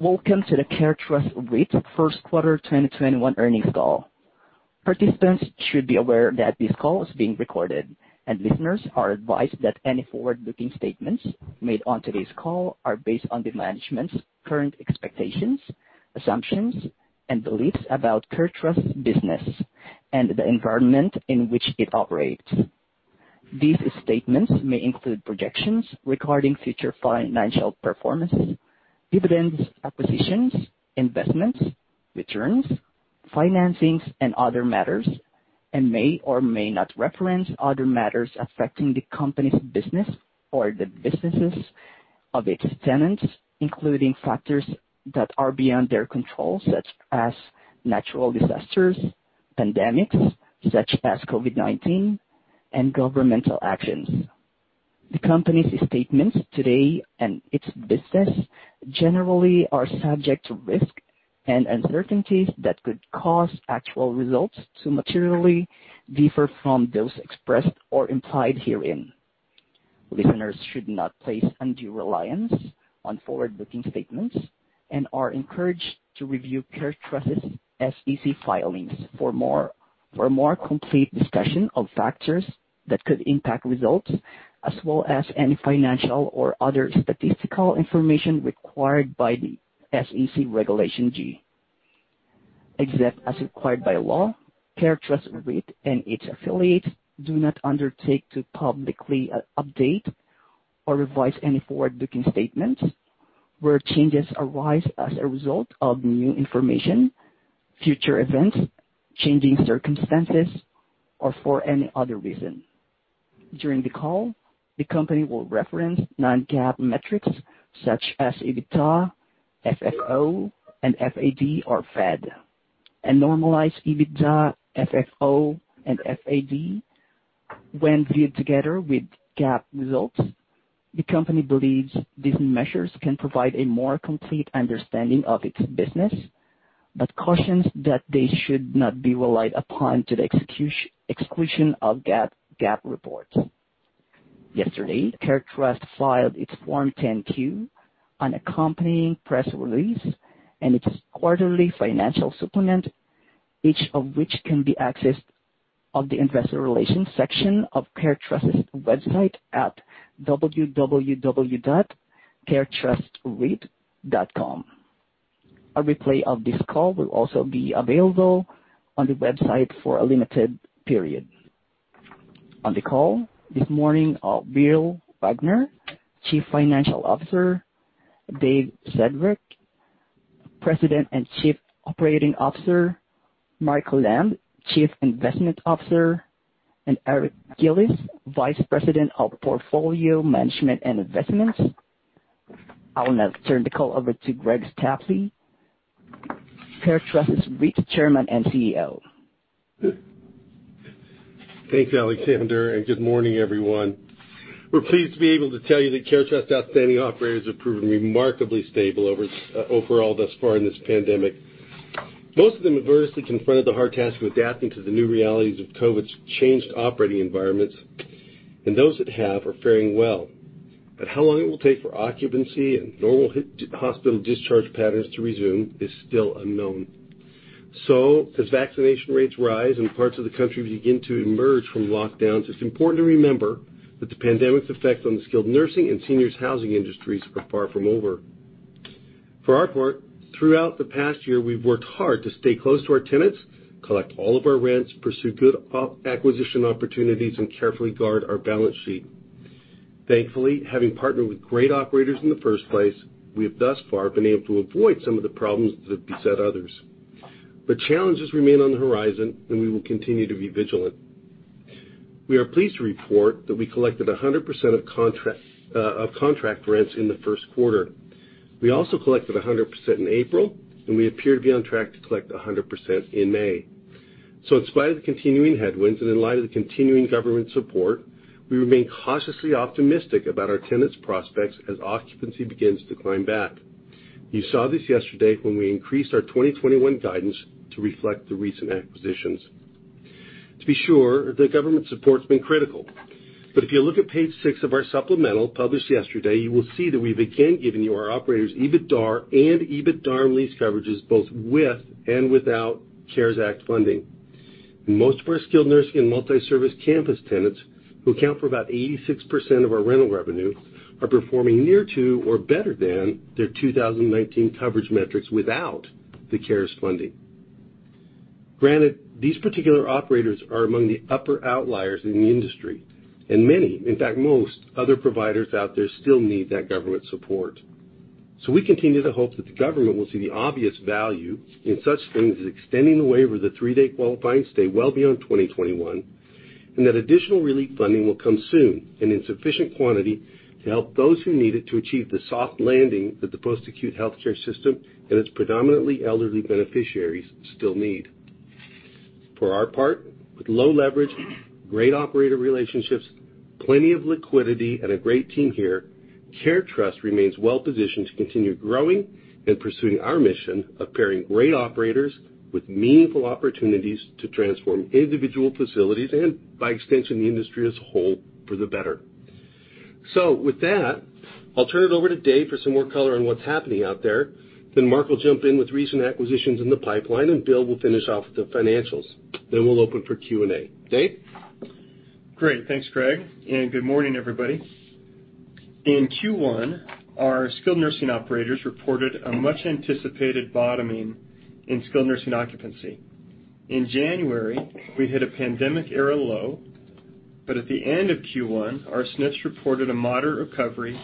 Welcome to the CareTrust REIT first quarter 2021 earnings call. Participants should be aware that this call is being recorded, and listeners are advised that any forward-looking statements made on today's call are based on the management's current expectations, assumptions, and beliefs about CareTrust's business and the environment in which it operates. These statements may include projections regarding future financial performances, dividends, acquisitions, investments, returns, financings, and other matters, and may or may not reference other matters affecting the company's business or the businesses of its tenants, including factors that are beyond their control, such as natural disasters, pandemics such as COVID-19, and governmental actions. The company's statements today and its business generally are subject to risk and uncertainties that could cause actual results to materially differ from those expressed or implied herein. Listeners should not place undue reliance on forward-looking statements and are encouraged to review CareTrust's SEC filings for a more complete discussion of factors that could impact results as well as any financial or other statistical information required by the SEC Regulation G. Except as required by law, CareTrust REIT and its affiliates do not undertake to publicly update or revise any forward-looking statements where changes arise as a result of new information, future events, changing circumstances, or for any other reason. During the call, the company will reference non-GAAP metrics such as EBITDA, FFO, and FAD, or FAD, and normalize EBITDA, FFO, and FAD when viewed together with GAAP results. The company believes these measures can provide a more complete understanding of its business but cautions that they should not be relied upon to the exclusion of GAAP reports. Yesterday, CareTrust filed its Form 10-Q, an accompanying press release, and its quarterly financial supplement, each of which can be accessed on the investor relations section of CareTrust's website at www.caretrustreit.com. A replay of this call will also be available on the website for a limited period. On the call this morning are Bill Wagner, Chief Financial Officer, Dave Sedgwick, President and Chief Operating Officer, Mark Lamb, Chief Investment Officer, and Eric Gillis, Vice President of Portfolio Management and Investments. I will now turn the call over to Greg Stapley, CareTrust's REIT Chairman and CEO. Thanks, Alexander, good morning, everyone. We're pleased to be able to tell you that CareTrust outstanding operators have proven remarkably stable overall thus far in this pandemic. Most of them have vigorously confronted the hard task of adapting to the new realities of COVID's changed operating environments, and those that have are faring well. How long it will take for occupancy and normal hospital discharge patterns to resume is still unknown. As vaccination rates rise and parts of the country begin to emerge from lockdowns, it's important to remember that the pandemic's effect on the skilled nursing and seniors housing industries are far from over. For our part, throughout the past year, we've worked hard to stay close to our tenants, collect all of our rents, pursue good acquisition opportunities, and carefully guard our balance sheet. Thankfully, having partnered with great operators in the first place, we have thus far been able to avoid some of the problems that have beset others. Challenges remain on the horizon, and we will continue to be vigilant. We are pleased to report that we collected 100% of contract rents in the first quarter. We also collected 100% in April, and we appear to be on track to collect 100% in May. In spite of the continuing headwinds and in light of the continuing government support, we remain cautiously optimistic about our tenants' prospects as occupancy begins to climb back. You saw this yesterday when we increased our 2021 guidance to reflect the recent acquisitions. To be sure, the government support's been critical. If you look at page six of our supplemental published yesterday, you will see that we began giving you our operators' EBITDAR and EBITDAR lease coverages both with and without CARES Act funding. Most of our skilled nursing and multi-service campus tenants, who account for about 86% of our rental revenue, are performing near to or better than their 2019 coverage metrics without the CARES funding. Granted, these particular operators are among the upper outliers in the industry, and many, in fact, most other providers out there still need that government support. We continue to hope that the government will see the obvious value in such things as extending the waiver of the three-day qualifying stay well beyond 2021, and that additional relief funding will come soon and in sufficient quantity to help those who need it to achieve the soft landing that the post-acute healthcare system and its predominantly elderly beneficiaries still need. For our part, with low leverage, great operator relationships, plenty of liquidity, and a great team here, CareTrust remains well-positioned to continue growing in pursuing our mission of pairing great operators with meaningful opportunities to transform individual facilities and, by extension, the industry as a whole for the better. With that, I'll turn it over to Dave for some more color on what's happening out there. Mark will jump in with recent acquisitions in the pipeline, and Bill will finish off with the financials then we'll open for Q&A. Dave? Great. Thanks, Greg. Good morning, everybody. In Q1, our skilled nursing operators reported a much-anticipated bottoming in skilled nursing occupancy. In January, we hit a pandemic era low. At the end of Q1, our SNFs reported a moderate recovery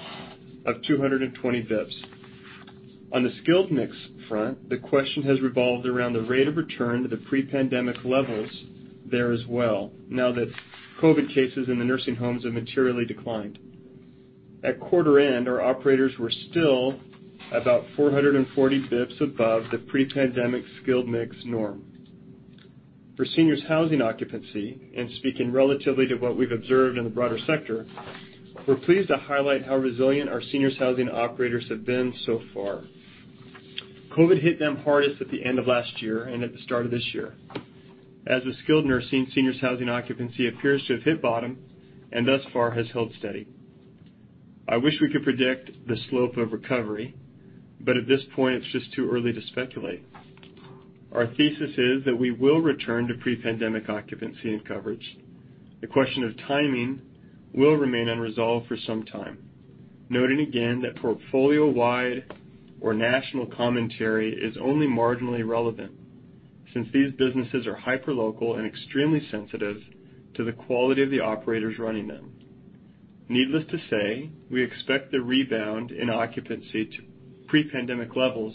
of 220 bps. On the skilled mix front, the question has revolved around the rate of return to the pre-pandemic levels there as well, now that COVID cases in the nursing homes have materially declined. At quarter end, our operators were still about 440 basis points above the pre-pandemic skilled mix norm. For seniors housing occupancy, speaking relatively to what we've observed in the broader sector, we're pleased to highlight how resilient our seniors housing operators have been so far. COVID hit them hardest at the end of last year and at the start of this year. As with skilled nursing, seniors housing occupancy appears to have hit bottom, and thus far has held steady. I wish we could predict the slope of recovery, but at this point, it's just too early to speculate. Our thesis is that we will return to pre-pandemic occupancy and coverage. The question of timing will remain unresolved for some time, noting again that portfolio-wide or national commentary is only marginally relevant, since these businesses are hyperlocal and extremely sensitive to the quality of the operators running them. Needless to say, we expect the rebound in occupancy to pre-pandemic levels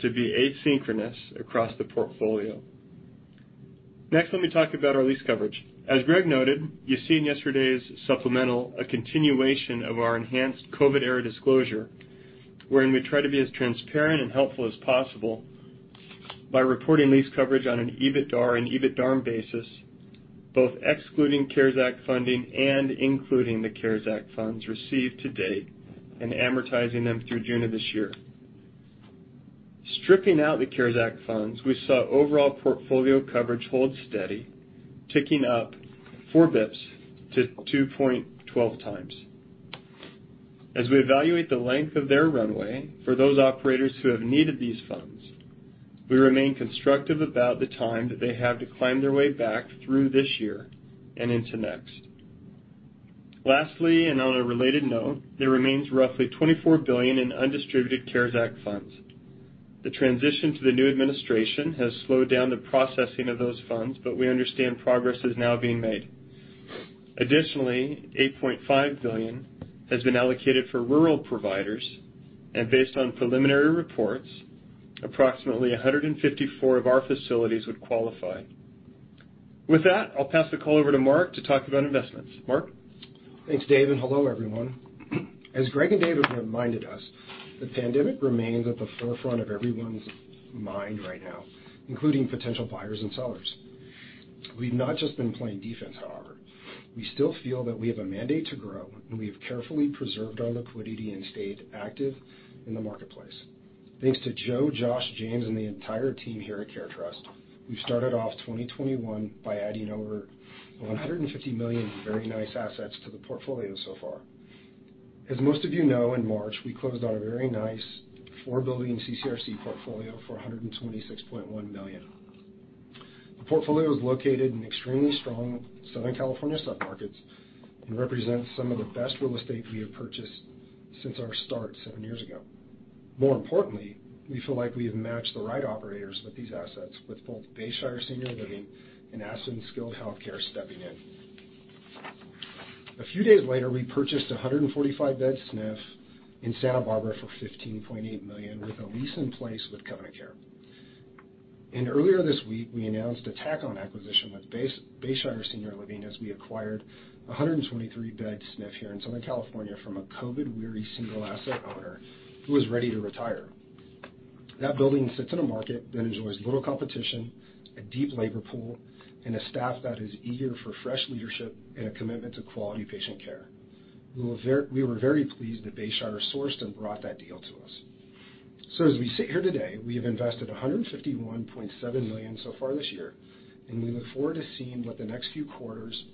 to be asynchronous across the portfolio. Next, let me talk about our lease coverage. As Greg noted, you see in yesterday's supplemental a continuation of our enhanced COVID era disclosure, wherein we try to be as transparent and helpful as possible by reporting lease coverage on an EBITDAR and EBITDARM basis, both excluding CARES Act funding and including the CARES Act funds received to date and amortizing them through June of this year. Stripping out the CARES Act funds, we saw overall portfolio coverage hold steady, ticking up 4 bps to 2.12x. As we evaluate the length of their runway for those operators who have needed these funds, we remain constructive about the time that they have to climb their way back through this year and into next. Lastly, on a related note, there remains roughly $24 billion in undistributed CARES Act funds. The transition to the new administration has slowed down the processing of those funds, but we understand progress is now being made. Additionally, $8.5 billion has been allocated for rural providers, and based on preliminary reports, approximately 154 of our facilities would qualify. With that, I'll pass the call over to Mark to talk about investments. Mark? Thanks, Dave. Hello, everyone. As Greg and Dave reminded us, the pandemic remains at the forefront of everyone's mind right now, including potential buyers and sellers. We've not just been playing defense, however. We still feel that we have a mandate to grow, and we have carefully preserved our liquidity and stayed active in the marketplace. Thanks to Joe, Josh, James, and the entire team here at CareTrust, we've started off 2021 by adding over $150 million in very nice assets to the portfolio so far. As most of you know, in March, we closed on a very nice four-building CCRC portfolio for $126.1 million. The portfolio is located in extremely strong Southern California submarkets and represents some of the best real estate we have purchased since our start seven years ago. More importantly, we feel like we have matched the right operators with these assets, with both Bayshire Senior Living and Aspen Skilled Healthcare stepping in. A few days later, we purchased a 145-bed SNF in Santa Barbara for $15.8 million with a lease in place with Covenant Care. Earlier this week, we announced a tack-on acquisition with Bayshire Senior Living as we acquired a 123-bed SNF here in Southern California from a COVID-weary single asset owner who was ready to retire. That building sits in a market that enjoys little competition, a deep labor pool, and a staff that is eager for fresh leadership and a commitment to quality patient care. We were very pleased that Bayshire sourced and brought that deal to us. As we sit here today, we have invested $151.7 million so far this year, and we look forward to seeing what the next few quarters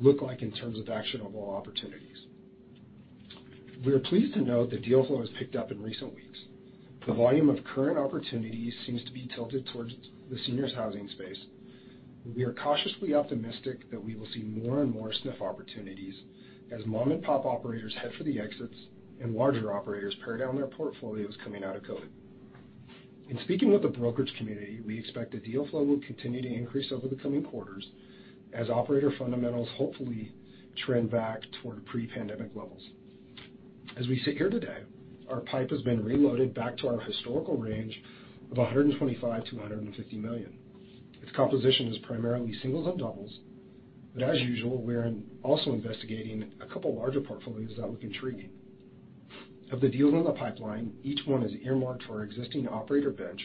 look like in terms of actionable opportunities. We are pleased to note that deal flow has picked up in recent weeks. The volume of current opportunities seems to be tilted towards the seniors housing space. We are cautiously optimistic that we will see more and more SNF opportunities as mom-and-pop operators head for the exits and larger operators pare down their portfolios coming out of COVID. In speaking with the brokerage community, we expect the deal flow will continue to increase over the coming quarters as operator fundamentals hopefully trend back toward pre-pandemic levels. As we sit here today, our pipe has been reloaded back to our historical range of $125 million-$150 million. Its composition is primarily singles and doubles, but as usual, we're also investigating a couple larger portfolios that look intriguing. Of the deals in the pipeline, each one is earmarked for our existing operator bench,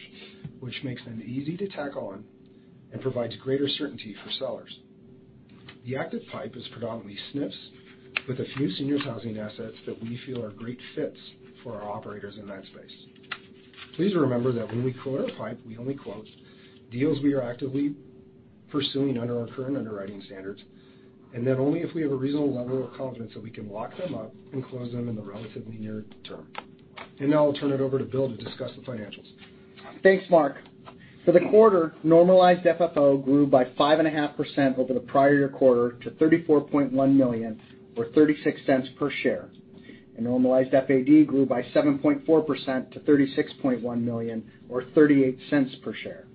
which makes them easy to tack-on and provides greater certainty for sellers. The active pipe is predominantly SNFs, with a few seniors housing assets that we feel are great fits for our operators in that space. Please remember that when we quote our pipe, we only quote deals we are actively pursuing under our current underwriting standards, and that only if we have a reasonable level of confidence that we can lock them up and close them in the relatively near term. Now I'll turn it over to Bill to discuss the financials. Thanks, Mark. For the quarter, normalized FFO grew by 5.5% over the prior year quarter to $34.1 million, or $0.36 per share. Normalized FAD grew by 7.4% to $36.1 million or $0.38 per share.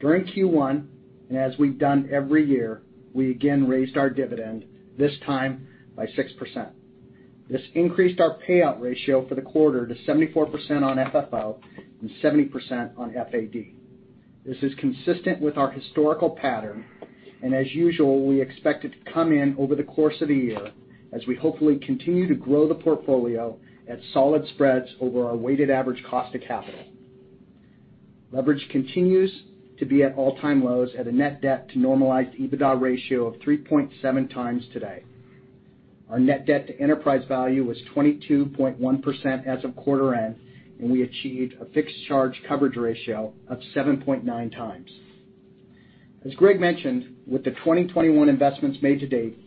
During Q1, as we've done every year, we again raised our dividend, this time by 6%. This increased our payout ratio for the quarter to 74% on FFO and 70% on FAD. This is consistent with our historical pattern, as usual, we expect it to come in over the course of the year as we hopefully continue to grow the portfolio at solid spreads over our weighted average cost of capital. Leverage continues to be at all-time lows at a net debt to normalized EBITDA ratio of 3.7x today. Our net debt to enterprise value was 22.1% as of quarter end, and we achieved a fixed charge coverage ratio of 7.9x. As Greg mentioned, with the 2021 investments made to date,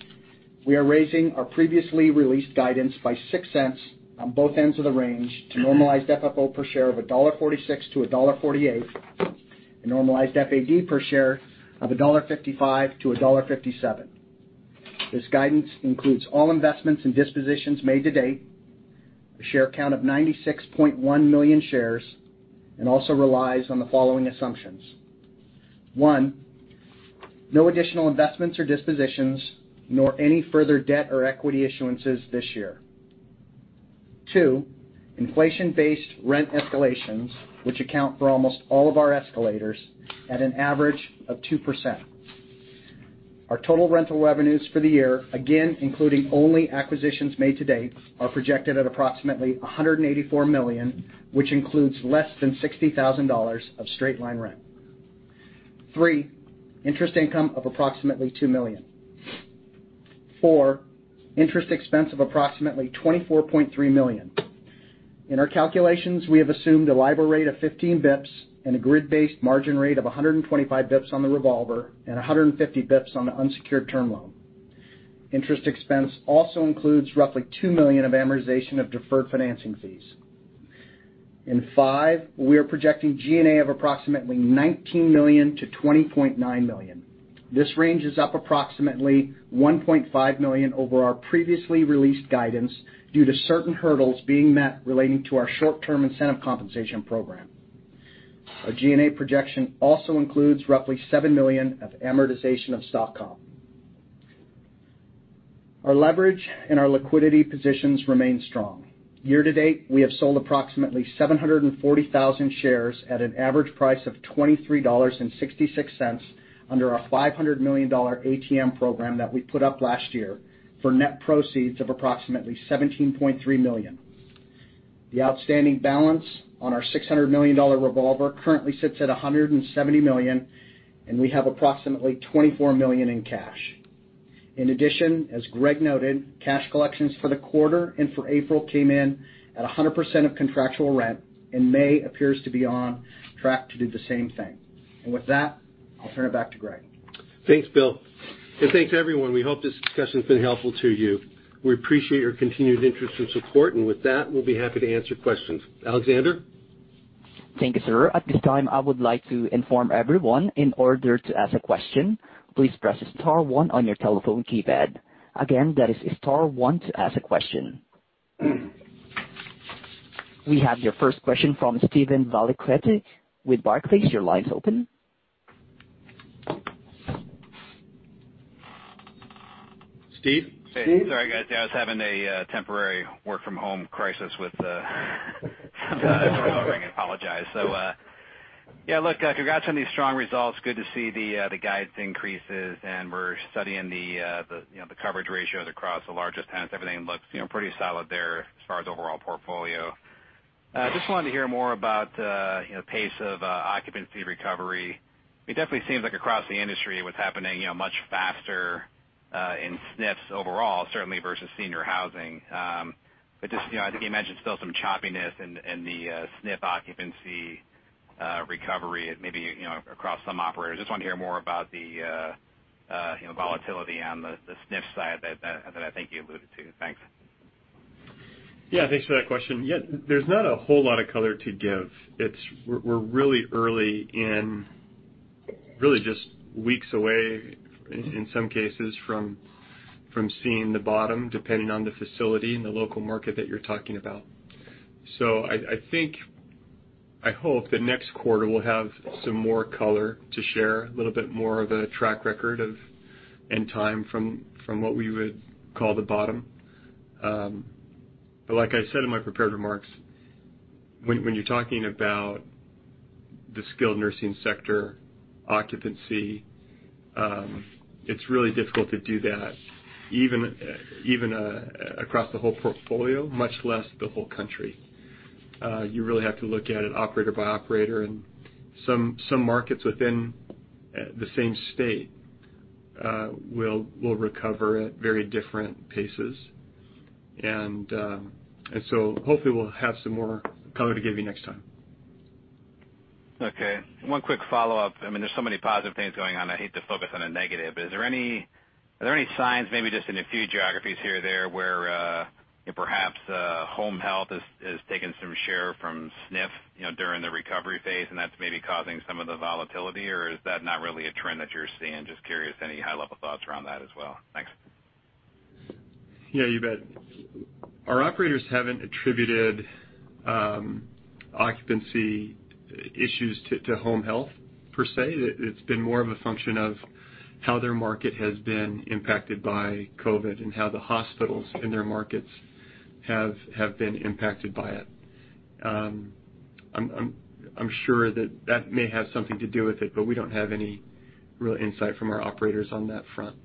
we are raising our previously released guidance by $0.06 on both ends of the range to normalized FFO per share of $1.46-$1.48, and normalized FAD per share of $1.55-$1.57. This guidance includes all investments and dispositions made to date, a share count of 96.1 million shares, and also relies on the following assumptions. One, no additional investments or dispositions, nor any further debt or equity issuances this year. Two, inflation-based rent escalations, which account for almost all of our escalators at an average of 2%. Our total rental revenues for the year, again, including only acquisitions made to date, are projected at approximately $184 million, which includes less than $60,000 of straight line rent. Three, interest income of approximately $2 million. Four, interest expense of approximately $24.3 million. In our calculations, we have assumed a LIBOR rate of 15 bps and a grid-based margin rate of 125 bps on the revolver and 150 bps on the unsecured term loan. Interest expense also includes roughly $2 million of amortization of deferred financing fees. Five, we are projecting G&A of approximately $19 million-$20.9 million. This range is up approximately $1.5 million over our previously released guidance due to certain hurdles being met relating to our short-term incentive compensation program. Our G&A projection also includes roughly $7 million of amortization of stock comp. Our leverage and our liquidity positions remain strong. Year to date, we have sold approximately 740,000 shares at an average price of $23.66 under our $500 million ATM program that we put up last year for net proceeds of approximately $17.3 million. The outstanding balance on our $600 million revolver currently sits at $170 million, and we have approximately $24 million in cash. In addition, as Greg noted, cash collections for the quarter and for April came in at 100% of contractual rent, and May appears to be on track to do the same thing. With that, I'll turn it back to Greg. Thanks, Bill. Thanks, everygone. We hope this discussion has been helpful to you. We appreciate your continued interest and support. With that, we'll be happy to answer questions. Alexander? Thank you, sir. At this time, I would like to inform everyone in order to ask a question, please press star one on your telephone keypad. Again, that is star one to ask a question. We have your first question from Steven Valiquette with Barclays. Your line's open. Steve? Sorry, guys. I was having a temporary work from home crisis with covering. I apologize. Yeah, look, congrats on these strong results. Good to see the guidance increases, and we're studying the coverage ratios across the larger tenants. Everything looks pretty solid there as far as overall portfolio. Just wanted to hear more about pace of occupancy recovery. It definitely seems like across the industry, what's happening much faster in SNFs overall, certainly versus senior housing. Just, I think you mentioned still some choppiness in the SNF occupancy recovery, maybe across some operators. Just want to hear more about the volatility on the SNF side that I think you alluded to. Thanks. Yeah. Thanks for that question. Yeah, there's not a whole lot of color to give. We're really early in, really just weeks away in some cases from seeing the bottom, depending on the facility and the local market that you're talking about. I think, I hope that next quarter we'll have some more color to share, a little bit more of a track record of end time from what we would call the bottom. Like I said in my prepared remarks, when you're talking about the skilled nursing sector occupancy, it's really difficult to do that even across the whole portfolio, much less the whole country. You really have to look at it operator by operator, and some markets within the same state will recover at very different paces. Hopefully we'll have some more color to give you next time. Okay. One quick follow-up. There are so many positive things going on, I hate to focus on a negative, but are there any signs, maybe just in a few geographies here or there, where perhaps home health has taken some share from SNF during the recovery phase, and that's maybe causing some of the volatility? Is that not really a trend that you're seeing? Just curious, any high-level thoughts around that as well. Thanks. Yeah, you bet. Our operators haven't attributed occupancy issues to home health per se. It's been more of a function of how their market has been impacted by COVID and how the hospitals in their markets have been impacted by it. I'm sure that that may have something to do with it, but we don't have any real insight from our operators on that front.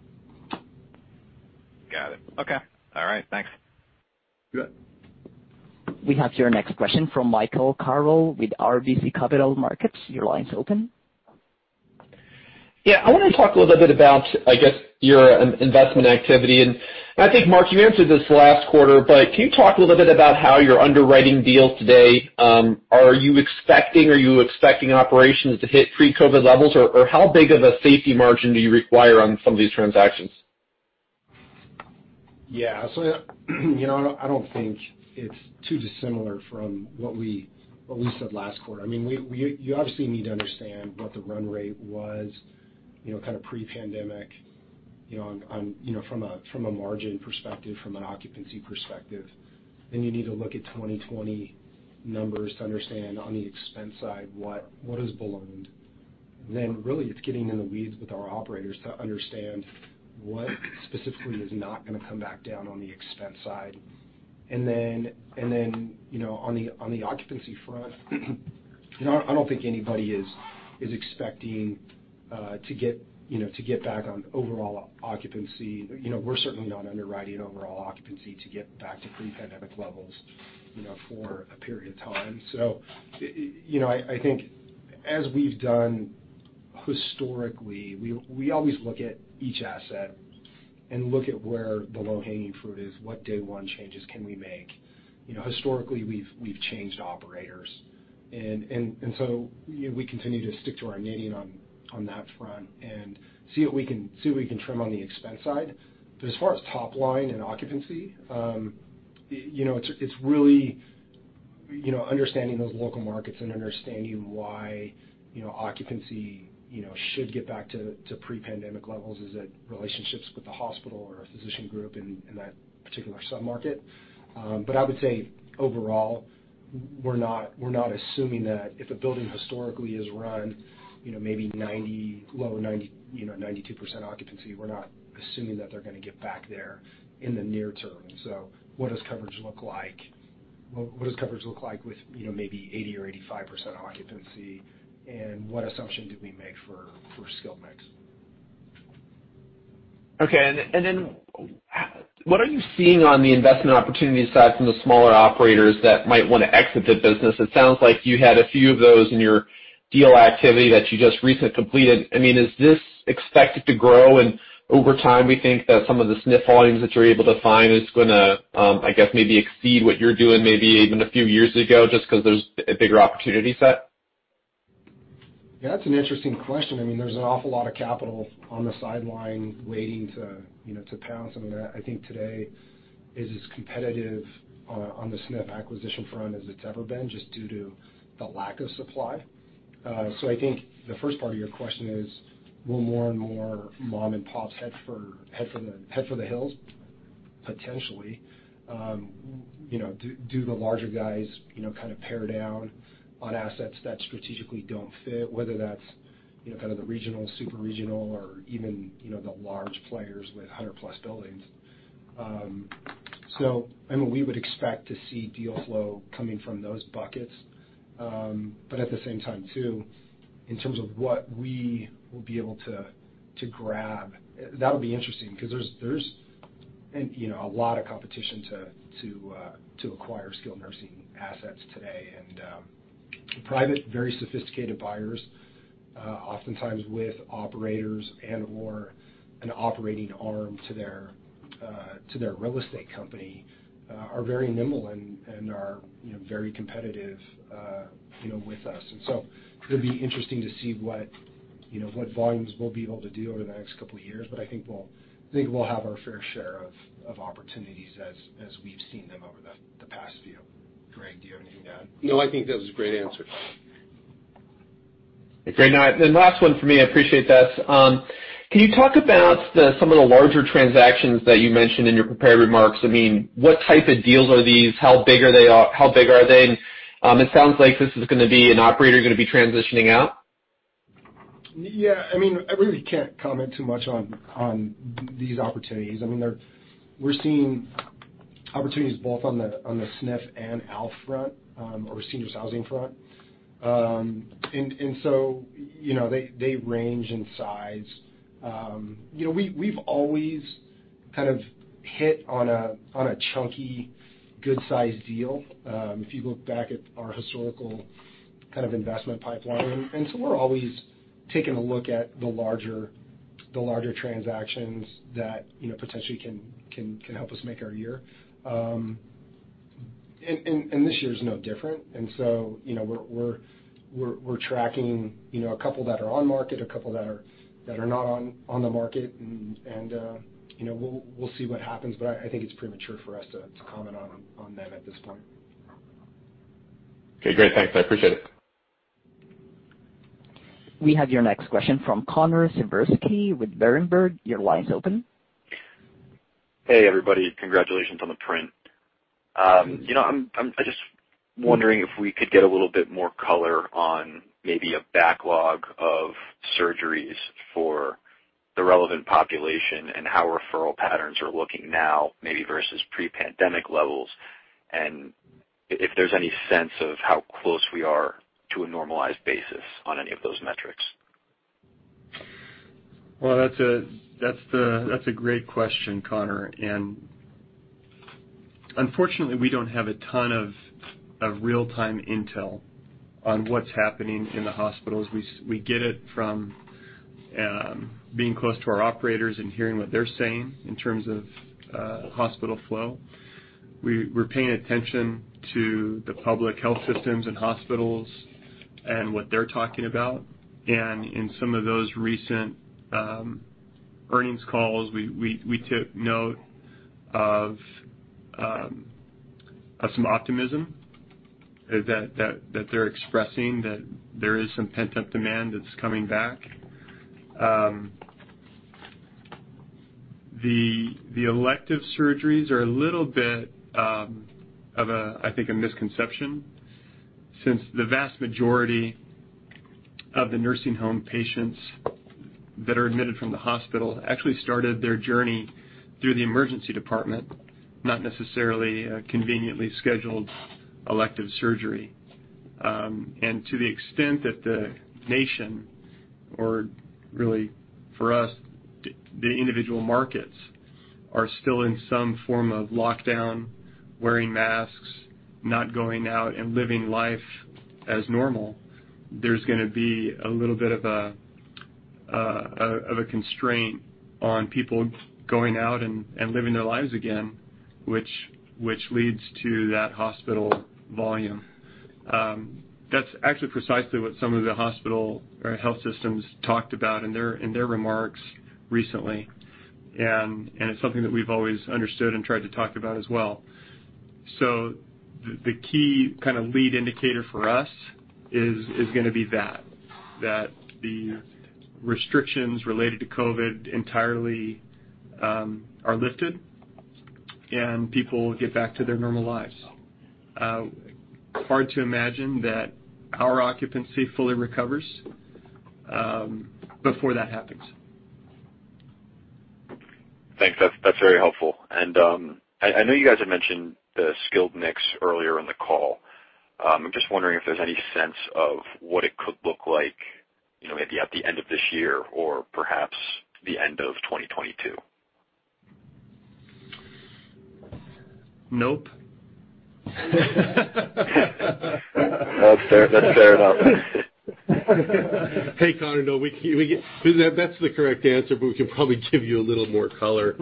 Got it. Okay. All right. Thanks. You bet. We have your next question from Michael Carroll with RBC Capital Markets. Your line's open. Yeah. I want to talk a little bit about your investment activity. I think, Mark, you answered this last quarter, but can you talk a little bit about how you're underwriting deals today? Are you expecting operations to hit pre-COVID levels? How big of a safety margin do you require on some of these transactions? Yeah. I don't think it's too dissimilar from what we said last quarter. You obviously need to understand what the run rate was pre-pandemic from a margin perspective, from an occupancy perspective. You need to look at 2020 numbers to understand on the expense side what is ballooned. Really it's getting in the weeds with our operators to understand what specifically is not going to come back down on the expense side. On the occupancy front, I don't think anybody is expecting to get back on overall occupancy. We're certainly not underwriting overall occupancy to get back to pre-pandemic levels for a period of time. I think as we've done historically, we always look at each asset and look at where the low-hanging fruit is, what day one changes can we make. Historically, we've changed operators. We continue to stick to our knitting on that front and see what we can trim on the expense side. As far as top line and occupancy, it's really understanding those local markets and understanding why occupancy should get back to pre-pandemic levels. Is it relationships with the hospital or a physician group in that particular submarket? I would say overall, we're not assuming that if a building historically is run maybe low 90%, 92% occupancy, we're not assuming that they're going to get back there in the near term. What does coverage look like with maybe 80% or 85% occupancy, and what assumption do we make for skill mix? Okay. What are you seeing on the investment opportunity side from the smaller operators that might want to exit the business? It sounds like you had a few of those in your deal activity that you just recently completed. Is this expected to grow, and over time, we think that some of the SNF volumes that you're able to find is going to maybe exceed what you were doing maybe even a few years ago, just because there's a bigger opportunity set? Yeah, that's an interesting question. There's an awful lot of capital on the sideline waiting to pounce, and I think today is as competitive on the SNF acquisition front as it's ever been, just due to the lack of supply. I think the first part of your question is, will more and more mom and pops head for the hills? Potentially. Do the larger guys pare down on assets that strategically don't fit, whether that's kind of the regional, super regional, or even the large players with 100+ buildings. We would expect to see deal flow coming from those buckets. At the same time, too, in terms of what we will be able to grab, that'll be interesting because there's a lot of competition to acquire skilled nursing assets today. Private, very sophisticated buyers, oftentimes with operators and/or an operating arm to their real estate company, are very nimble and are very competitive with us. It'll be interesting to see what volumes we'll be able to do over the next couple of years. I think we'll have our fair share of opportunities as we've seen them over the past few. Greg, do you have anything to add? No, I think that was a great answer. Great. Last one from me. I appreciate that. Can you talk about some of the larger transactions that you mentioned in your prepared remarks? What type of deals are these? How big are they? It sounds like this is going to be an operator you're going to be transitioning out. Yeah. I really can't comment too much on these opportunities. We're seeing opportunities both on the SNF and AL front, or seniors housing front. They range in size. We've always. Kind of hit on a chunky, good-sized deal, if you look back at our historical investment pipeline. We're always taking a look at the larger transactions that potentially can help us make our year. This year is no different. We're tracking a couple that are on market, a couple that are not on the market, we'll see what happens. I think it's premature for us to comment on them at this point. Okay, great. Thanks. I appreciate it. We have your next question from Connor Siversky with Berenberg. Your line's open. Hey, everybody. Congratulations on the print. I'm just wondering if we could get a little bit more color on maybe a backlog of surgeries for the relevant population and how referral patterns are looking now, maybe versus pre-pandemic levels? If there's any sense of how close we are to a normalized basis on any of those metrics? Well, that's a great question, Connor, and unfortunately, we don't have a ton of real-time intel on what's happening in the hospitals. We get it from being close to our operators and hearing what they're saying in terms of hospital flow. We're paying attention to the public health systems and hospitals and what they're talking about. In some of those recent earnings calls, we took note of some optimism that they're expressing that there is some pent-up demand that's coming back. The elective surgeries are a little bit of, I think, a misconception since the vast majority of the nursing home patients that are admitted from the hospital actually started their journey through the emergency department, not necessarily a conveniently scheduled elective surgery. To the extent that the nation, or really for us, the individual markets, are still in some form of lockdown, wearing masks, not going out and living life as normal, there's going to be a little bit of a constraint on people going out and living their lives again, which leads to that hospital volume. That's actually precisely what some of the hospital or health systems talked about in their remarks recently, and it's something that we've always understood and tried to talk about as well. The key lead indicator for us is going to be that. The restrictions related to COVID entirely are lifted, and people get back to their normal lives. Hard to imagine that our occupancy fully recovers before that happens. Thanks. That's very helpful. I know you guys had mentioned the skilled mix earlier in the call. I'm just wondering if there's any sense of what it could look like maybe at the end of this year or perhaps the end of 2022. Nope. That's fair enough. Hey, Connor. No, that's the correct answer, but we can probably give you a little more color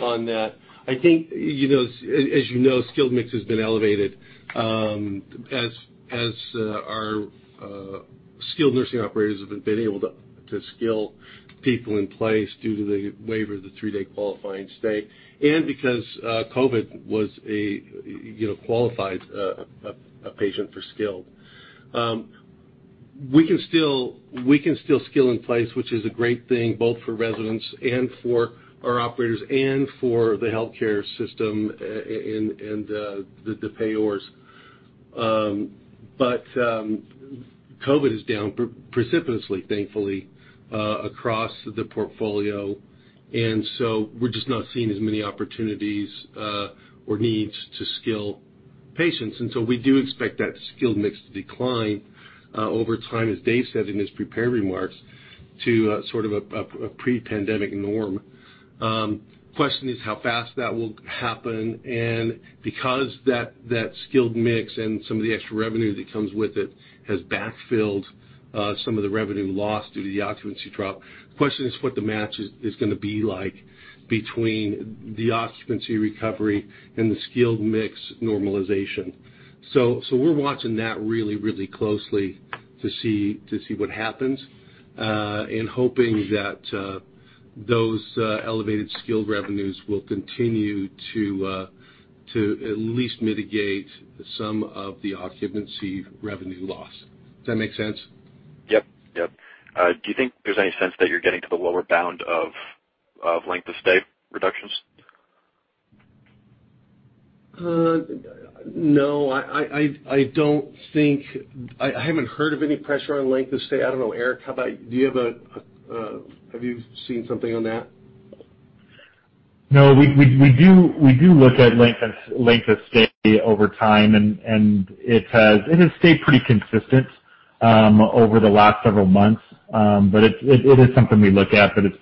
on that. I think, as you know, skilled mix has been elevated as our skilled nursing operators have been able to skill people in place due to the waiver of the three-day qualifying stay. Because COVID qualified a patient for skilled. We can still skill in place, which is a great thing both for residents and for our operators, and for the healthcare system, and the payers. COVID is down precipitously, thankfully, across the portfolio, we're just not seeing as many opportunities or needs to skill patients. We do expect that skilled mix to decline over time, as Dave said in his prepared remarks, to a pre-pandemic norm. Question is how fast that will happen, because that skilled mix and some of the extra revenue that comes with it has backfilled some of the revenue lost due to the occupancy drop, the question is what the match is going to be like between the occupancy recovery and the skilled mix normalization. We're watching that really closely to see what happens, and hoping that those elevated skilled revenues will continue to at least mitigate some of the occupancy revenue loss. Does that make sense? Yep. Do you think there's any sense that you're getting to the lower bound of length of stay reductions? No, I don't think I haven't heard of any pressure on length of stay. I don't know, Eric, how about you? Have you seen something on that? No, we do look at length of stay over time, and it has stayed pretty consistent over the last several months. It is something we look at, but it's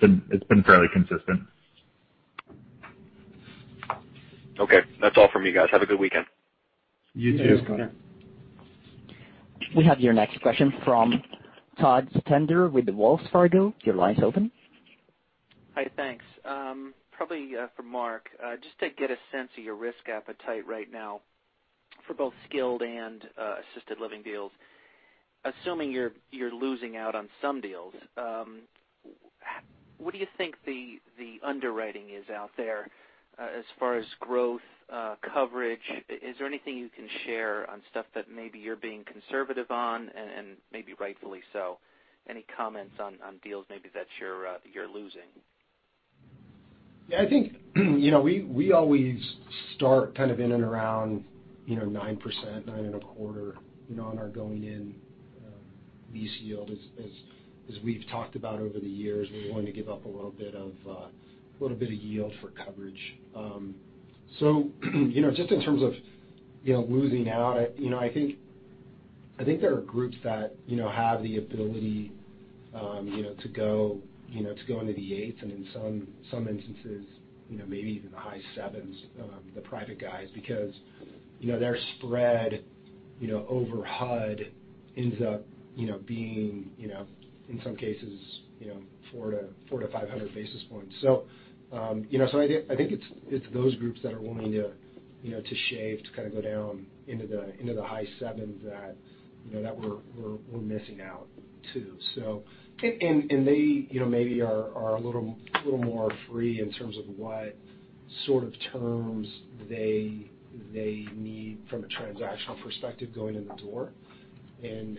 been fairly consistent. Okay. That's all from me, guys. Have a good weekend. You too. Thanks, Connor. We have your next question from Todd Stender with Wells Fargo. Your line is open. Hi, thanks. Probably for Mark, just to get a sense of your risk appetite right now for both skilled and assisted living deals, assuming you're losing out on some deals, what do you think the underwriting is out there, as far as growth, coverage? Is there anything you can share on stuff that maybe you're being conservative on, and maybe rightfully so? Any comments on deals maybe that you're losing? Yeah, I think, we always start kind of in and around 9%, 9.25% on our going-in lease yield. As we've talked about over the years, we're willing to give up a little bit of yield for coverage. Just in terms of losing out, I think there are groups that have the ability to go into the eights, and in some instances maybe even the high sevens, the private guys, because their spread over HUD ends up being, in some cases, 400-500 basis points. I think it's those groups that are willing to shave, to kind of go down into the high sevens that we're missing out too. They maybe are a little more free in terms of what sort of terms they need from a transactional perspective going in the door and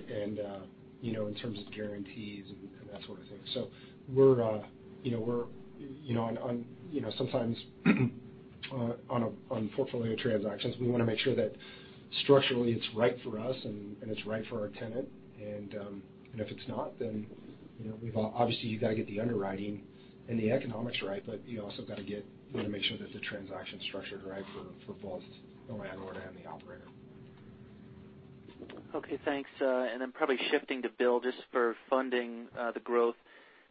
in terms of guarantees and that sort of thing. Sometimes on portfolio transactions, we want to make sure that structurally it's right for us and it's right for our tenant, and if it's not, then obviously you've got to get the underwriting and the economics right. You also got to make sure that the transaction's structured right for both the landlord and the operator. Okay, thanks. Then probably shifting to Bill, just for funding the growth,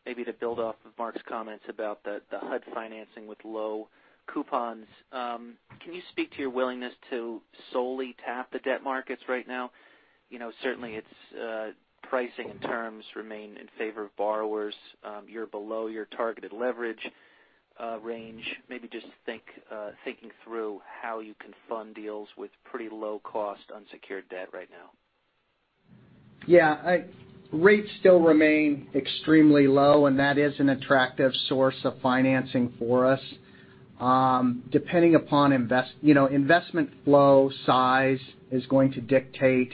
maybe to build off of Mark's comments about the HUD financing with low coupons. Can you speak to your willingness to solely tap the debt markets right now? Certainly, its pricing and terms remain in favor of borrowers. You're below your targeted leverage range. Maybe just thinking through how you can fund deals with pretty low-cost unsecured debt right now. Yeah. Rates still remain extremely low. That is an attractive source of financing for us. Depending upon investment flow, size is going to dictate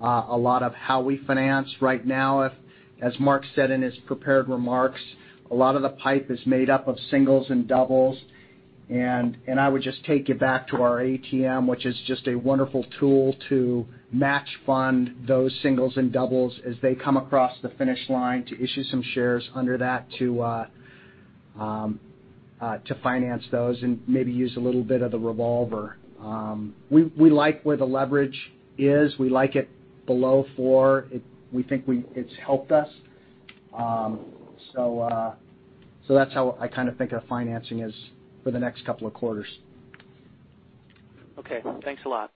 a lot of how we finance. Right now, as Mark said in his prepared remarks, a lot of the pipe is made up of singles and doubles. I would just take you back to our ATM, which is just a wonderful tool to match fund those singles and doubles as they come across the finish line to issue some shares under that to finance those. Maybe use a little bit of the revolver. We like where the leverage is. We like it below four. We think it's helped us. That's how I kind of think our financing is for the next couple of quarters. Okay. Thanks a lot.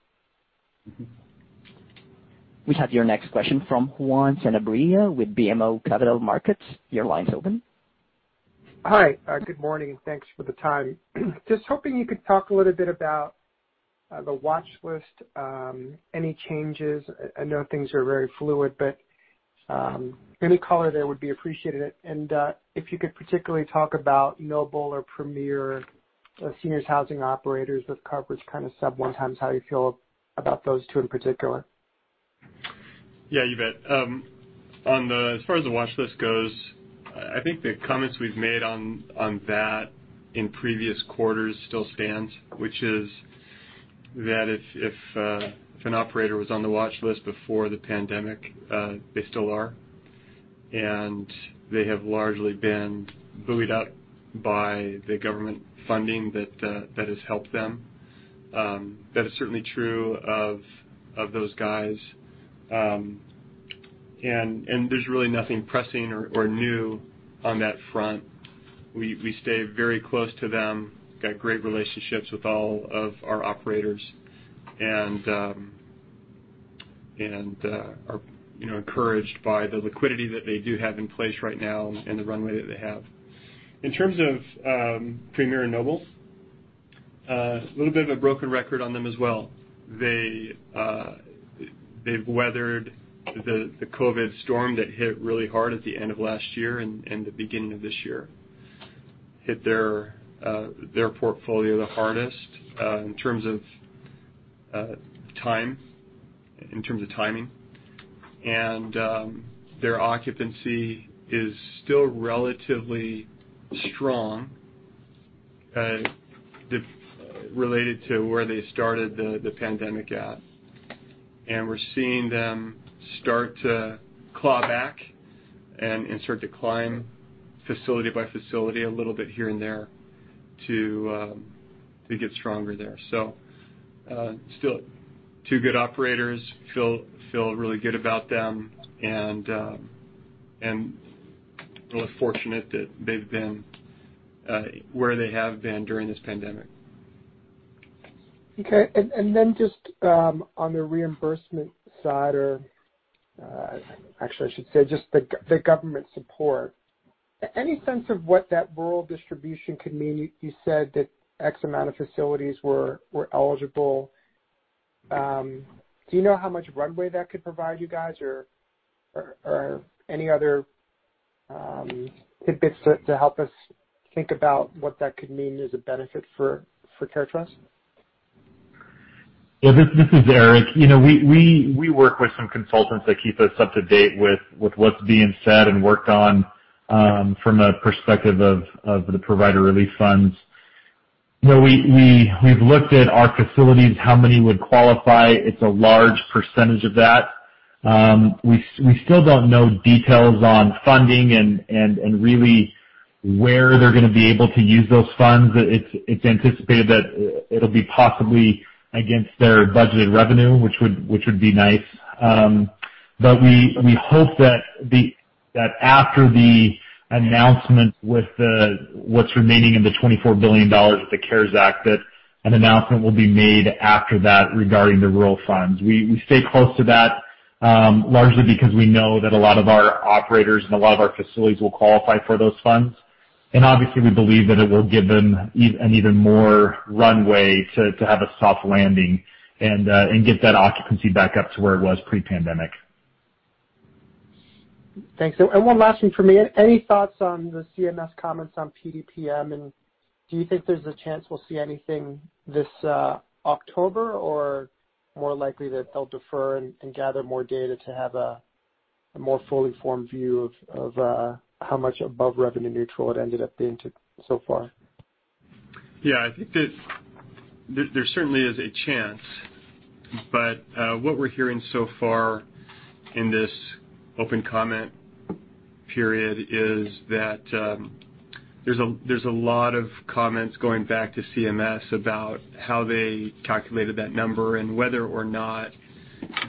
We have your next question from Juan Sanabria with BMO Capital Markets. Your line's open. Hi. Good morning, and thanks for the time. Just hoping you could talk a little bit about the watchlist, any changes. I know things are very fluid, but any color there would be appreciated. If you could particularly talk about Noble or Premier, seniors housing operators with coverage kind of sub 1x, how you feel about those two in particular. Yeah, you bet. As far as the watchlist goes, I think the comments we've made on that in previous quarters still stand, which is that if an operator was on the watchlist before the pandemic, they still are, and they have largely been buoyed up by the government funding that has helped them. That is certainly true of those guys. There's really nothing pressing or new on that front. We stay very close to them, got great relationships with all of our operators, and are encouraged by the liquidity that they do have in place right now and the runway that they have. In terms of Premier and Noble, a little bit of a broken record on them as well. They've weathered the COVID storm that hit really hard at the end of last year and the beginning of this year. Hit their portfolio the hardest in terms of timing. Their occupancy is still relatively strong related to where they started the pandemic at. We're seeing them start to claw back and start to climb facility by facility a little bit here and there to get stronger there. Still two good operators, feel really good about them, and really fortunate that they've been where they have been during this pandemic. Just on the reimbursement side, or actually I should say just the government support. Any sense of what that rural distribution could mean? You said that X amount of facilities were eligible. Do you know how much runway that could provide you guys or any other tidbits to help us think about what that could mean as a benefit for CareTrust? Yeah, this is Eric. We work with some consultants that keep us up to date with what's being said and worked on from a perspective of the provider relief funds. We've looked at our facilities, how many would qualify. It's a large percentage of that. We still don't know details on funding and really where they're going to be able to use those funds. It's anticipated that it'll be possibly against their budgeted revenue, which would be nice. We hope that after the announcement with what's remaining in the $24 billion with the CARES Act, that an announcement will be made after that regarding the rural funds. We stay close to that, largely because we know that a lot of our operators and a lot of our facilities will qualify for those funds. Obviously, we believe that it will give them an even more runway to have a soft landing and get that occupancy back up to where it was pre-pandemic. Thanks. One last thing from me. Any thoughts on the CMS comments on PDPM, and do you think there's a chance we'll see anything this October, or more likely that they'll defer and gather more data to have a more fully formed view of how much above revenue neutral it ended up being so far? I think that there certainly is a chance, but what we're hearing so far in this open comment period is that there's a lot of comments going back to CMS about how they calculated that number and whether or not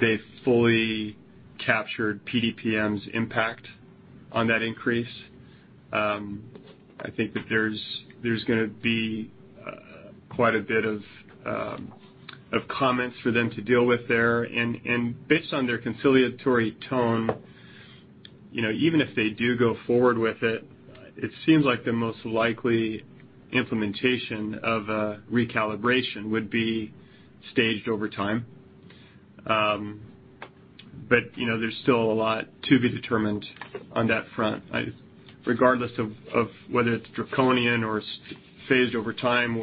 they fully captured PDPM's impact on that increase. I think that there's going to be quite a bit of comments for them to deal with there. Based on their conciliatory tone, even if they do go forward with it seems like the most likely implementation of a recalibration would be staged over time. There's still a lot to be determined on that front. Regardless of whether it's draconian or phased over time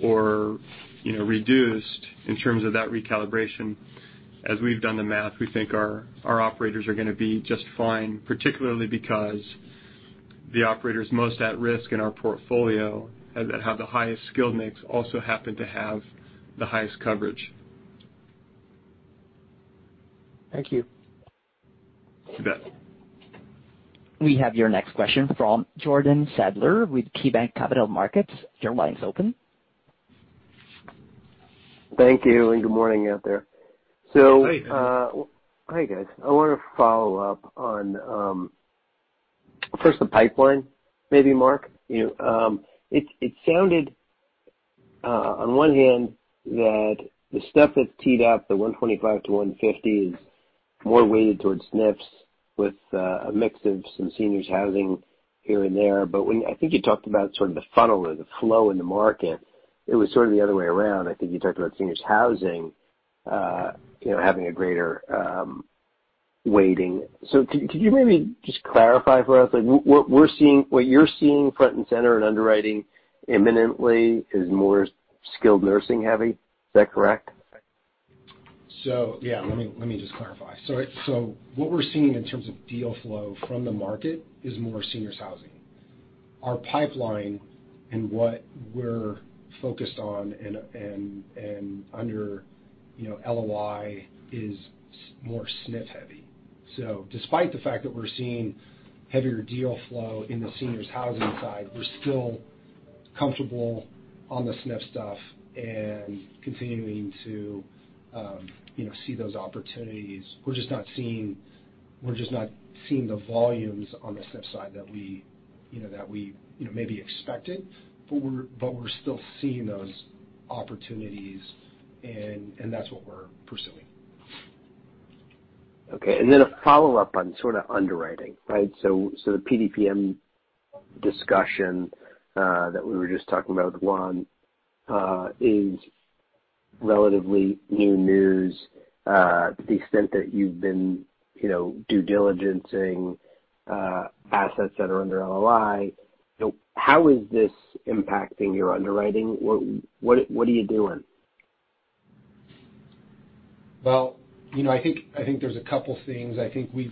or reduced in terms of that recalibration, as we've done the math, we think our operators are going to be just fine, particularly because the operators most at risk in our portfolio that have the highest skill mix also happen to have the highest coverage. Thank you. You bet. We have your next question from Jordan Sadler with KeyBanc Capital Markets. Your line's open. Thank you, and good morning out there. Hi. Hi, guys. I want to follow up on, first the pipeline, maybe Mark. It sounded, on one hand, that the stuff that's teed up, the 125-150, is more weighted towards SNFs with a mix of some seniors housing here and there. When I think you talked about sort of the funnel or the flow in the market, it was sort of the other way around. I think you talked about seniors housing having a greater weighting. Could you maybe just clarify for us? What you're seeing front and center in underwriting imminently is more skilled nursing heavy. Is that correct? Yeah, let me just clarify. What we're seeing in terms of deal flow from the market is more seniors housing. Our pipeline and what we're focused on and under LOI is more SNF heavy. Despite the fact that we're seeing heavier deal flow in the seniors housing side, we're still comfortable on the SNF stuff and continuing to see those opportunities. We're just not seeing the volumes on the SNF side that we maybe expected, but we're still seeing those opportunities, and that's what we're pursuing. A follow-up on sort of underwriting, right? The PDPM discussion that we were just talking about, Juan, is relatively new news to the extent that you've been due diligencing assets that are under LOI. How is this impacting your underwriting? What are you doing? Well, I think there's a couple things. I think we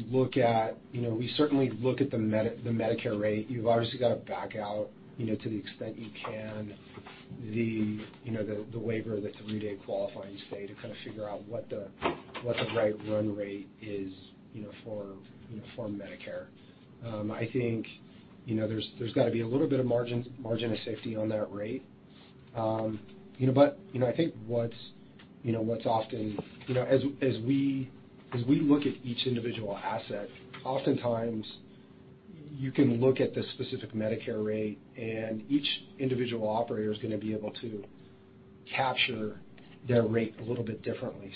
certainly look at the Medicare rate. You've obviously got to back out to the extent you can the waiver, the three-day qualifying stay to kind of figure out what the right run rate is for Medicare. I think there's got to be a little bit of margin of safety on that rate. I think as we look at each individual asset, oftentimes you can look at the specific Medicare rate, and each individual operator is going to be able to capture their rate a little bit differently.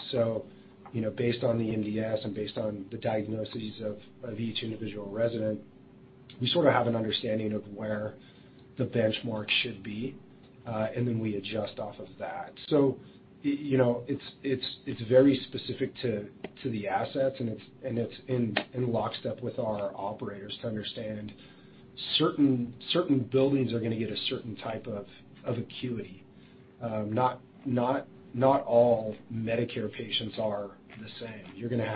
Based on the MDS and based on the diagnoses of each individual resident, we sort of have an understanding of where the benchmark should be, and then we adjust off of that. It's very specific to the assets, and it's in lockstep with our operators to understand certain buildings are going to get a certain type of acuity. Not all Medicare patients are the same.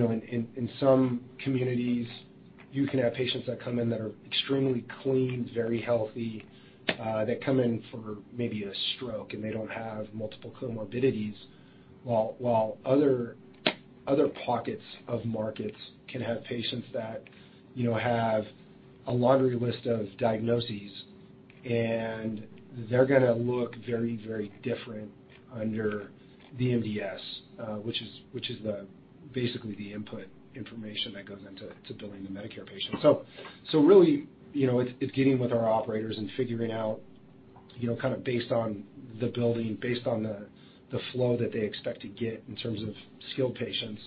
In some communities, you can have patients that come in that are extremely clean, very healthy, that come in for maybe a stroke, and they don't have multiple comorbidities. While other pockets of markets can have patients that have a laundry list of diagnoses, and they're going to look very different under the MDS, which is basically the input information that goes into billing the Medicare patient. Really, it's getting with our operators and figuring out based on the building, based on the flow that they expect to get in terms of skilled patients,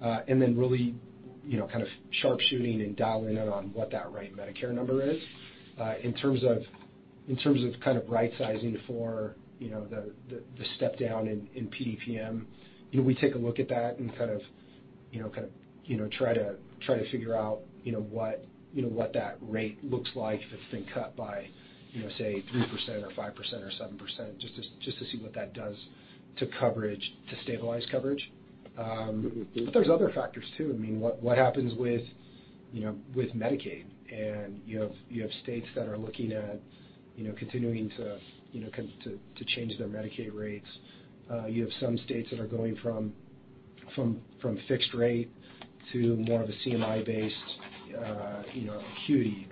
and then really kind of sharpshooting and dialing in on what that right Medicare number is. In terms of right sizing for the step down in PDPM, we take a look at that and try to figure out what that rate looks like if it's been cut by say 3% or 5% or 7%, just to see what that does to coverage, to stabilize coverage. There's other factors, too. What happens with Medicaid? You have states that are looking at continuing to change their Medicaid rates. You have some states that are going from fixed rate to more of a CMI based acuity.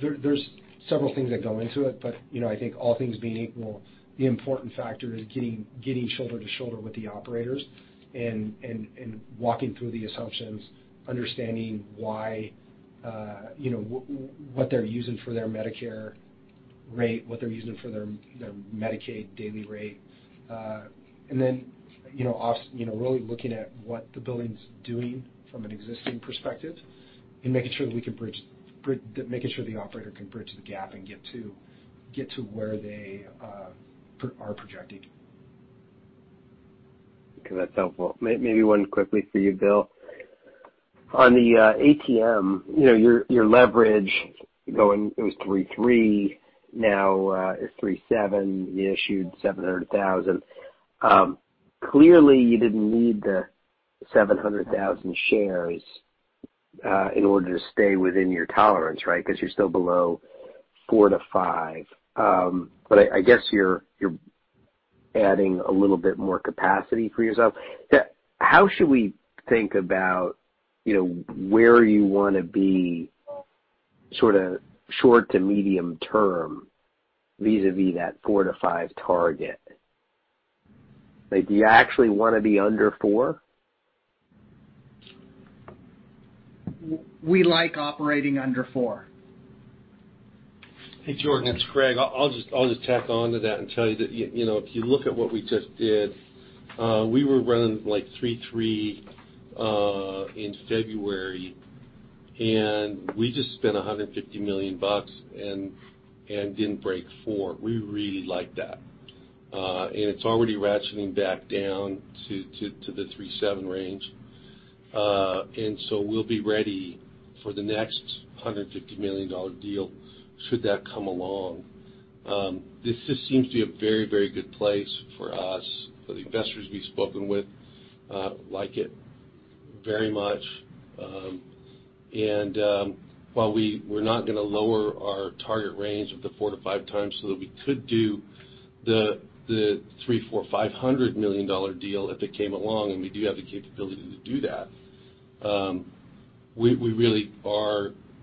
There's several things that go into it. I think all things being equal, the important factor is getting shoulder to shoulder with the operators and walking through the assumptions, understanding what they're using for their Medicare rate, what they're using for their Medicaid daily rate. Us really looking at what the building's doing from an existing perspective and making sure the operator can bridge the gap and get to where they are projecting. Okay, that's helpful. Maybe one quickly for you, Bill. On the ATM, your leverage going, it was 3.3, now it's 3.7. You issued 700,000. Clearly you didn't need the 700,000 shares in order to stay within your tolerance, right? Because you're still below four-five. I guess you're adding a little bit more capacity for yourself. How should we think about where you want to be sort of short to medium term vis-a-vis that four-five target? Like do you actually want to be under four? We like operating under four. Hey, Jordan, it's Greg. I'll just tack on to that and tell you that if you look at what we just did, we were running like 3.3 in February, we just spent $150 million and didn't break four. We really like that. It's already ratcheting back down to the 3.7 range. We'll be ready for the next $150 million deal should that come along. This just seems to be a very good place for us, for the investors we've spoken with like it very much. While we're not going to lower our target range of the 4x-5x so that we could do the three, four or $500 million deal if it came along, we do have the capability to do that. We really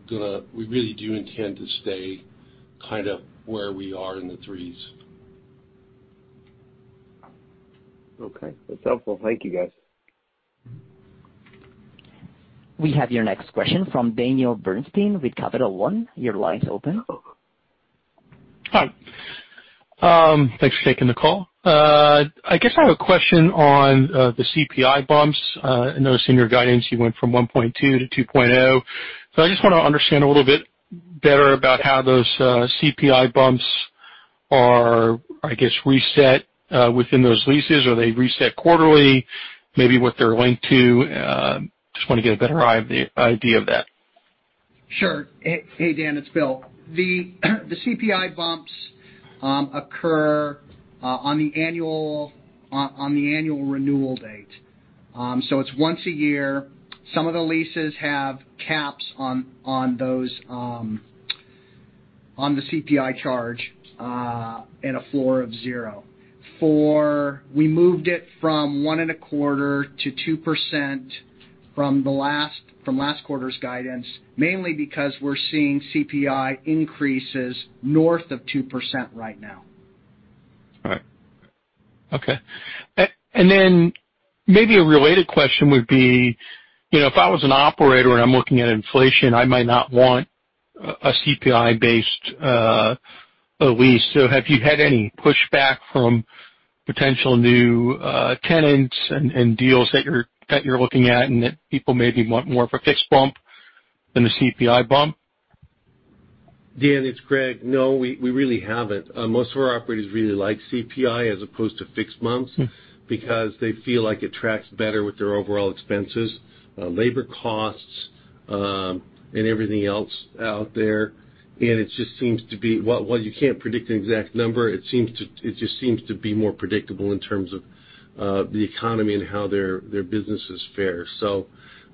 do intend to stay kind of where we are in the threes. Okay. That's helpful. Thank you, guys. We have your next question from Daniel Bernstein with Capital One. Your line's open. Hi. Thanks for taking the call. I guess I have a question on the CPI bumps. I noticed in your guidance you went from 1.2 to 2.0. I just want to understand a little bit better about how those CPI bumps are, I guess, reset within those leases. Are they reset quarterly? Maybe what they're linked to. Just want to get a better idea of that. Sure. Hey, Dan, it's Bill. The CPI bumps occur on the annual renewal date. It's once a year. Some of the leases have caps on the CPI charge, and a floor of zero. We moved it from 1.25% to 2% from last quarter's guidance, mainly because we're seeing CPI increases north of 2% right now. Right. Okay. Maybe a related question would be, if I was an operator and I'm looking at inflation, I might not want a CPI-based lease. Have you had any pushback from potential new tenants and deals that you're looking at and that people maybe want more of a fixed bump than a CPI bump? Dan, it's Greg. No, we really haven't. Most of our operators really like CPI as opposed to fixed bumps because they feel like it tracks better with their overall expenses, labor costs, and everything else out there. While you can't predict an exact number, it just seems to be more predictable in terms of the economy and how their businesses fare.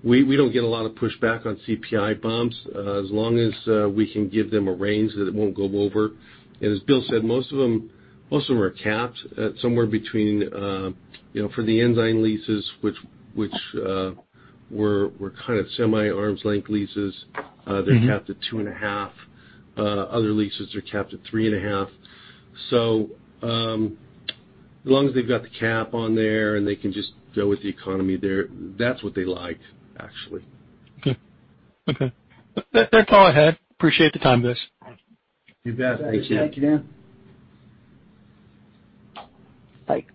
We don't get a lot of pushback on CPI bumps as long as we can give them a range that it won't go over. As Bill said, most of them are capped at somewhere between, for the Ensign leases, which were kind of semi-arm's length leases, they're capped at 2.5%. Other leases are capped at 3.5%. As long as they've got the cap on there and they can just go with the economy there, that's what they like, actually. Okay. That's all I had. Appreciate the time, guys. You bet. Thank you. Thank you, Dan.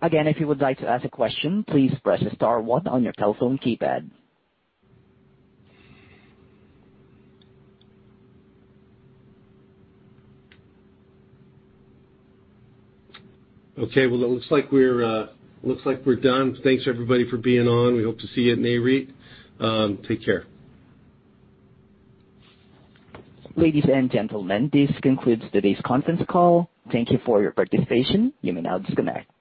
Again, if you would like to ask a question, please press star one on your telephone keypad. Okay. It looks like we're done. Thanks everybody for being on. We hope to see you at Nareit. Take care. Ladies and gentlemen, this concludes today's conference call. Thank you for your participation. You may now disconnect.